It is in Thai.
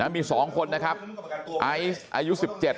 มีสองคนนะครับอายุ๑๗ปี